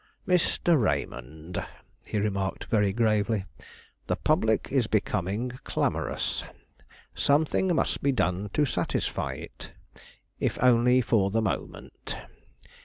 "Mr. Raymond," he remarked very gravely; "the public is becoming clamorous; something must be done to satisfy it, if only for the moment.